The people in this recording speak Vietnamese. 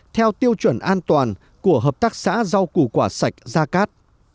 theo tiêu chuẩn an toàn của hợp tác xã rau củ quả sạch gia cát